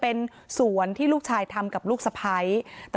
เพราะไม่เคยถามลูกสาวนะว่าไปทำธุรกิจแบบไหนอะไรยังไง